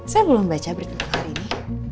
saya belum baca berita hari ini